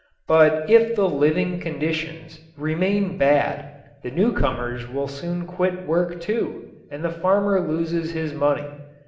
But if the living conditions remain bad the newcomers will soon quit work too and the farmer loses his money.